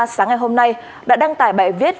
sáng ngày hôm nay đã đăng tải bài viết